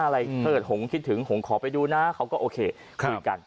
ถ้าเขาก็คิดถึงก็หงขอไปดูนะเขาก็โอเคกลุ่มกัน